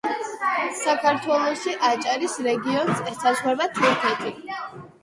საქართველოში აჭარის რეგიონს, ესაზღვრება თურქეთი.